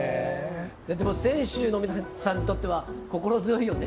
でも選手の皆さんにとっては心強いよね？